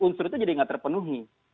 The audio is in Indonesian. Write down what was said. unsur itu jadi nggak terpenuhi